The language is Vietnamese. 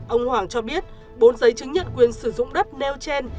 ông hoàng cho biết bốn giấy chứng nhận quyền sử dụng đất nêu trên